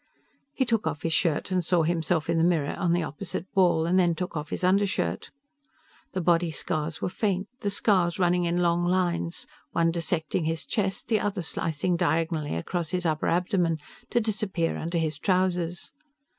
He took off his shirt and saw himself in the mirror on the opposite wall; and then took off his under shirt. The body scars were faint, the scars running in long lines, one dissecting his chest, the other slicing diagonally across his upper abdomen to disappear under his trousers.